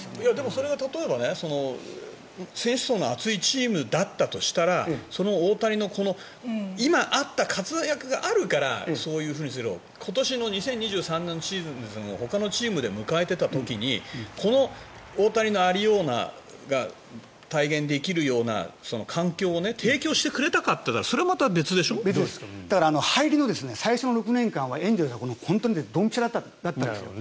それが例えば選手層の厚いチームだったとしたらその大谷の今あった活躍があるから今年の２０２３年シーズンをほかのチームで迎えていた時にこの大谷の有りようが体現できるような環境を提供してくれたかって言ったら入りの最初の６年間はエンゼルスはドンピシャだったんです。